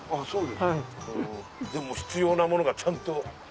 そうですか。も必要な物がちゃんと。